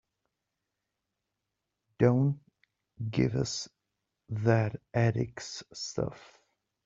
Don't give us that ethics stuff.